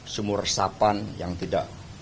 sumur resapan yang tidak